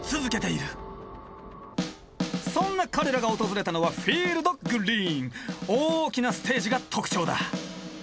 そんな彼らが訪れたのは大きなステージが特徴だ。